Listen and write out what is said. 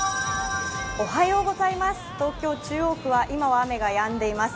東京・中央区は今は雨がやんでいます。